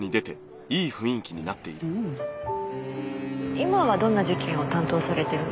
今はどんな事件を担当されてるんですか？